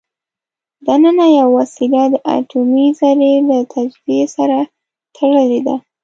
دننه یوه وسیله د اټومي ذرې له تجزیې سره تړلې ده.